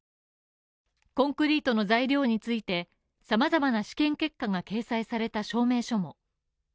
コンクリートの材料について、様々な試験結果が掲載された証明書も。